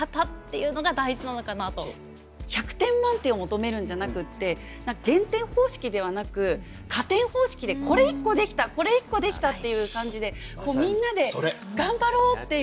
１００点満点を求めるんじゃなくってこれ一個できたこれ一個できたっていう感じでみんなで頑張ろうっていう。